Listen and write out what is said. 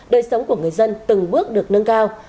đời sống của người dân từng bước được nâng cao